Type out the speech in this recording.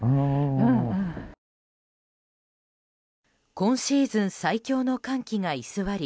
今シーズン最強の寒気が居座り